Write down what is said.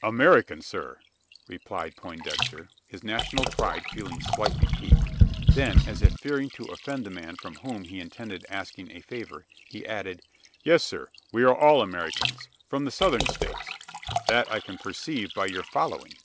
"American, sir," replied Poindexter, his national pride feeling slightly piqued. Then, as if fearing to offend the man from whom he intended asking a favour, he added: "Yes, sir; we are all Americans from the Southern States." "That I can perceive by your following."